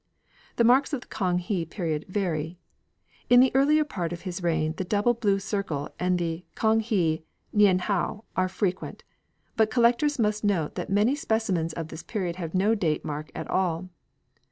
The marks of the Kang he period vary. In the earlier part of his reign the double blue circle and the Kang he nien hao are frequent, but collectors must note that many specimens of this period have no date mark at all.